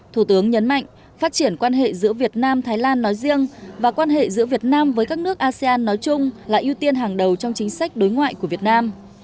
thủ tướng nhấn mạnh phát triển quan hệ giữa việt nam thái lan nói riêng và quan hệ giữa việt nam với các nước asean nói chung là ưu tiên hàng đầu trong chính sách đối ngoại của việt nam